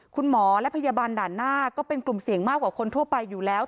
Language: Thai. คุณหมอและพยาบาลด่านหน้าก็เป็นกลุ่มเสี่ยงมากกว่าคนทั่วไปอยู่แล้ว